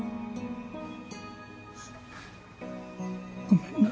ごめんな。